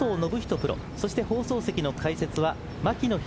プロそして放送席の解説は牧野裕